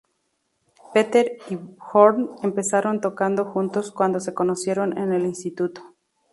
Peter y Bjorn empezaron tocando juntos cuando se conocieron en el Instituto.